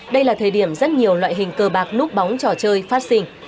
đây là thời điểm rất nhiều loại hình cờ bạc nút bóng trò chơi phát sinh